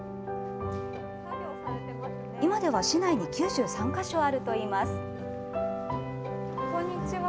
今では市内に９３か所あるといいます。